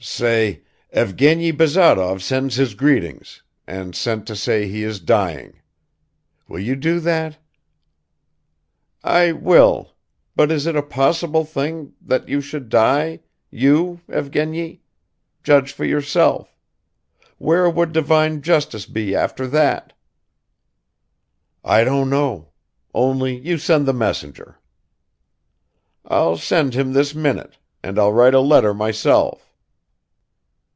"Say 'Evgeny Bazarov sends his greetings, and sent to say he is dying.' Will you do that?" "I will ... But is it a possible thing, that you should die, you, Evgeny ... judge for yourself. Where would divine justice be after that?" "I don't know; only you send the messenger." "I'll send him this minute, and I'll write a letter myself."